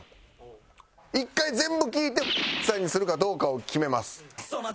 １回全部聴いてさんにするかどうかを決めます。